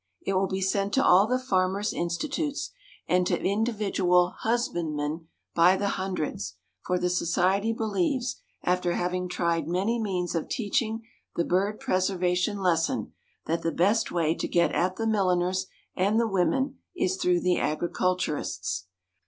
It will be sent to all the farmers' institutes, and to individual husbandmen by the hundreds, for the society believes, after having tried many means of teaching the bird preservation lesson, that the best way to get at the milliners and the women is through the agriculturists.